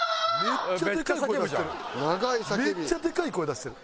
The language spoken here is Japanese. めっちゃでかい声出してる。